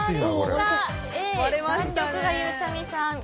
Ａ、弾力がゆうちゃみさん。